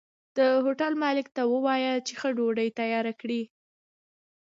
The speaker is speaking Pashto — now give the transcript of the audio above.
د هوټل مالک ته ووايه چې ښه ډوډۍ تياره کړي